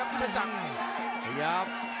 พยายาม